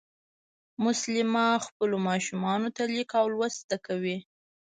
مسلیمه خپلو ماشومانو ته لیک او لوست زده کوي